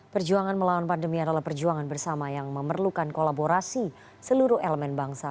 perjuangan melawan pandemi adalah perjuangan bersama yang memerlukan kolaborasi seluruh elemen bangsa